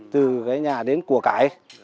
từ cái nhà đến của cải